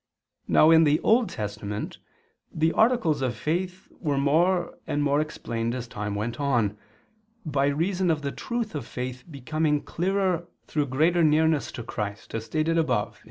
Now, in the Old Testament, the articles of faith were more and more explained as time went on, by reason of the truth of faith becoming clearer through greater nearness to Christ, as stated above (A.